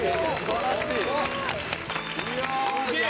すげえ！